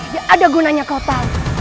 ya ada gunanya kau tahu